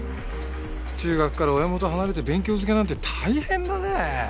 中学から親元を離れて勉強漬けなんて大変だね。